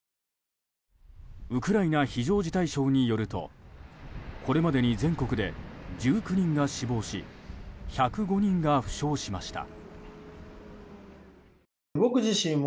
ウクライナ非常事態省によるとこれまでに全国で１９人が死亡し１０５人が負傷しました。